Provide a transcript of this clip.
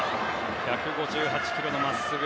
１５８キロのまっすぐ。